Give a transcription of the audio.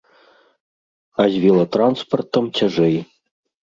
А з велатранспартам цяжэй.